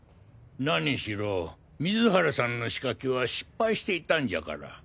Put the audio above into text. なにしろ水原さんの仕掛けは失敗していたんじゃから。